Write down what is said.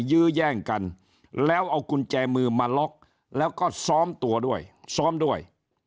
ยื้อแย่งกันแล้วเอากุญแจมือมาล็อกแล้วก็ซ้อมตัวด้วยซ้อมด้วย